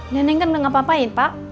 neneng kan nggak apa apain pak